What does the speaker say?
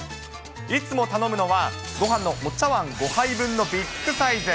いつも頼むのは、ごはんのお茶わん５杯分のビッグサイズ。